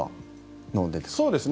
そうですね。